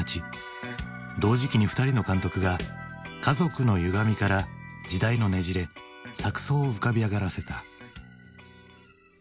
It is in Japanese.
同時期に２人の監督が家族のゆがみから時代のねじれ錯そうを浮かび上がらせた。